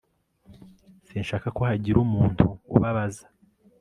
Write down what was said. sinshaka ko hagira umuntu ubabaza